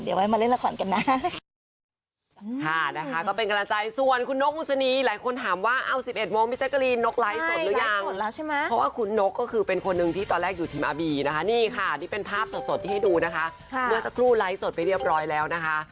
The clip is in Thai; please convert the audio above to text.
เดี๋ยวไว้มาเล่นละครกันได้